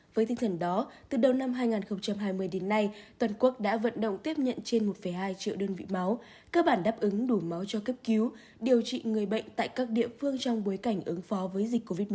với tinh thần đó từ đầu năm hai nghìn hai mươi đến nay toàn quốc đã vận động tiếp nhận trên một hai triệu đơn vị máu cơ bản đáp ứng đủ máu cho cấp cứu điều trị người bệnh tại các địa phương trong bối cảnh ứng phó với dịch covid một mươi chín